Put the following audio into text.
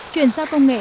chuyển giao công nghệ